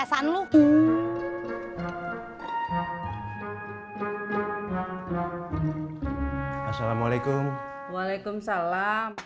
saya punya hasil yang sabar tadi